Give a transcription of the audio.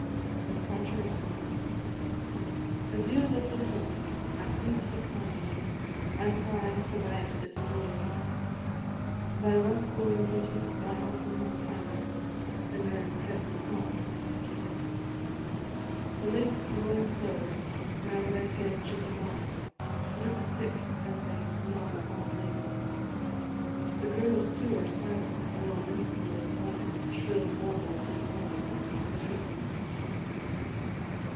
THE DEPARTURE OF SUMMER. Adieu, lovely Summer! I see thee declining, I sigh, for thy exit is near; Thy once glowing beauties by Autumn are pining, Who now presses hard on thy rear. The late blowing flowers now thy pale cheek adorning, Droop sick as they nod on the lea; The groves, too, are silent, no minstrel of morning Shrill warbles his song from the tree.